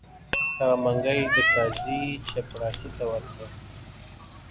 هغه منګی یې د قاضي چپړاسي ته ورکړ.